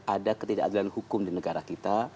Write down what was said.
ada ketidakadilan hukum di negara kita